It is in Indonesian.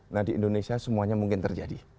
nah di indonesia semuanya mungkin terjadi